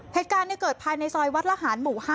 เหตุการณ์เกิดภายในซอยวัดละหารหมู่๕